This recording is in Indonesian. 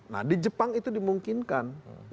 nah di jepang itu dimungkinkan